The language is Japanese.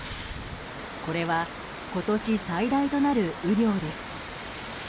これは今年最大となる雨量です。